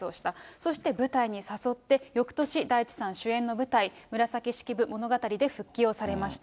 そして舞台に誘って、よくとし、大地さん主演の舞台、紫式部ものがたりで復帰をされました。